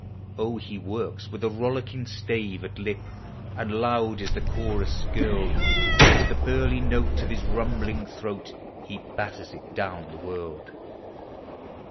Oh, he works with a rollicking stave at lip, And loud is the chorus skirled; With the burly note of his rumbling throat He batters it down the world.